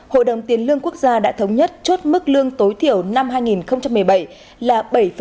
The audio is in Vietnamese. hội đồng tiền lương quốc gia đã thống nhất chốt mức lương tối thiểu năm hai nghìn một mươi bảy là bảy tám